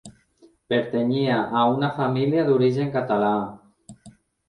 Pertanyia a una família d'origen català.